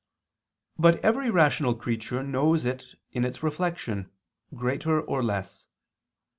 But every rational creature knows it in its reflection, greater or less.